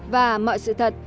và mọi sự thật